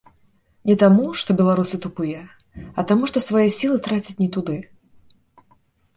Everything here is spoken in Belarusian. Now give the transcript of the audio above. Не таму, што беларусы тупыя, а таму што свае сілы трацяць не туды.